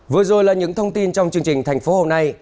vừa rồi là những thông tin trong chương trình thành phố hôm nay